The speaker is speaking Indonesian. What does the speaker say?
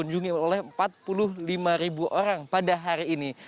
dikunjungi oleh empat puluh lima ribu orang pada hari ini